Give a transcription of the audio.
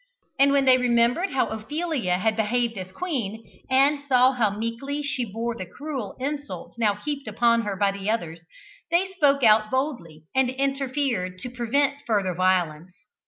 And when they remembered how Ophelia had behaved as queen, and saw how meekly she bore the cruel insults now heaped upon her by the others, they spoke out boldly, and interfered to prevent further violence.